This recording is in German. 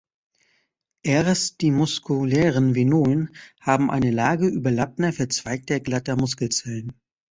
Erst die muskulären Venolen haben eine Lage überlappender verzweigter glatter Muskelzellen.